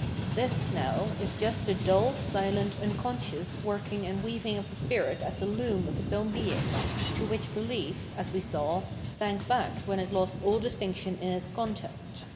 This, now, is just the dull, silent, unconscious working and weaving of the spirit at the loom of its own being, to which behef, as we saw, sank back when it lost aU distinction in its content.